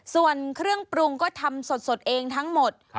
ส่วนเครื่องปรุงก็ทำสดเองทั้งหมด